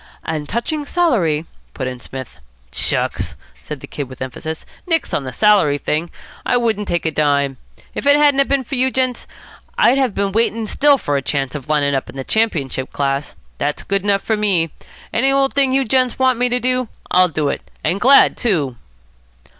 "And touching salary " put in Psmith. "Shucks!" said the Kid with emphasis. "Nix on the salary thing. I wouldn't take a dime. If it hadn't a been for you gents, I'd have been waiting still for a chance of lining up in the championship class. That's good enough for me. Any old thing you gents want me to do, I'll do it. And glad, too."